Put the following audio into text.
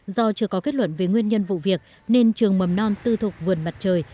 do chưa có kết luận về nguyên nhân vụ việc nên trường mầm non tư thuộc vườn mặt trời